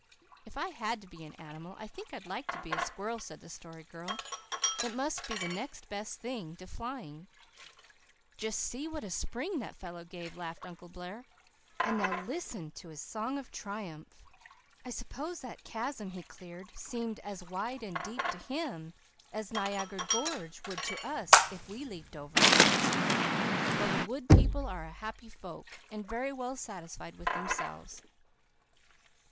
"If I had to be an animal I think I'd like to be a squirrel," said the Story Girl. "It must be next best thing to flying." "Just see what a spring that fellow gave," laughed Uncle Blair. "And now listen to his song of triumph! I suppose that chasm he cleared seemed as wide and deep to him as Niagara Gorge would to us if we leaped over it. Well, the wood people are a happy folk and very well satisfied with themselves."